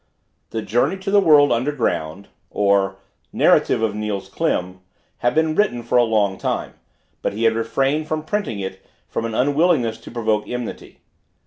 "The Journey to the World under ground," or "Narrative of Niels Klim," had been written for a long time, but he had refrained from printing it from an unwillingness to provoke enmity.